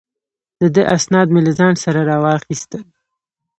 د ده اسناد مې له ځان سره را واخیستل.